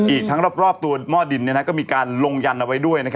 อีกทั้งรอบตัวหม้อดินก็มีการลงยันเอาไว้ด้วย